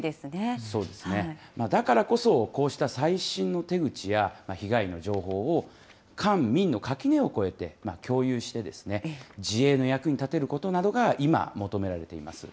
だからこそ、こうした最新の手口や被害の情報を、官民の垣根を越えて共有して、自衛の役に立てることなどが今求められています。